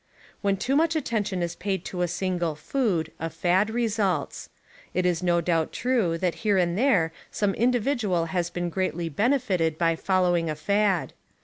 When too much attention is paid to a single food a fad results. It is no doubt true that here and there some individual has been greatly benefitted by following a fad.